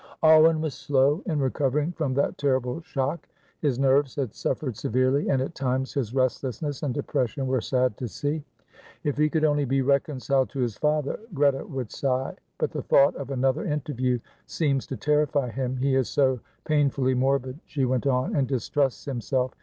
Alwyn was slow in recovering from that terrible shock. His nerves had suffered severely, and at times his restlessness and depression were sad to see. "If he could only be reconciled to his father," Greta would sigh; "but the thought of another interview seems to terrify him. He is so painfully morbid," she went on, "and distrusts himself.